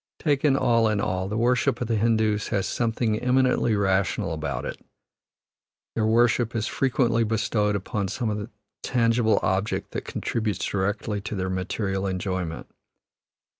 Taken all in all, the worship of the Hindoos has something eminently rational about it; their worship is frequently bestowed upon some tangible object that contributes directly to their material enjoyment.